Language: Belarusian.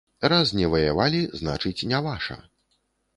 Раз не ваявалі, значыць, не ваша.